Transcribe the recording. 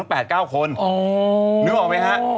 นึกออกไหมครับ